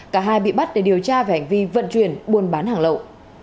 cả hai bị bắt để điều tra về hành vi vận chuyển buôn bán hàng lậu